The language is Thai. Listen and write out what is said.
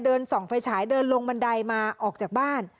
ส่องไฟฉายเดินลงบันไดมาออกจากบ้าน